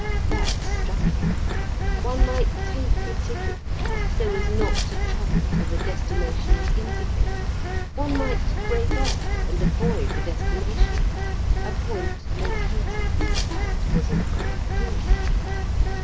That struck him. One might take a ticket, so as not to travel to the destination it indicated. One might break off, and avoid the destination. A point located. That was an idea!